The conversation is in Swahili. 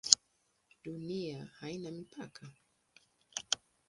Dunia haina mipaka?